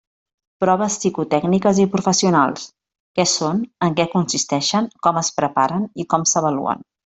Proves psicotècniques i professionals: què són, en què consisteixen, com es preparen i com s'avaluen.